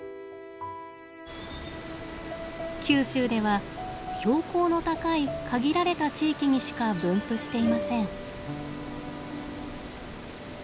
九州では標高の高い限られた地域にしか分布していません。